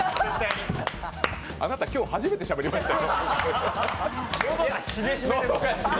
あなた、今日初めてしゃべりました？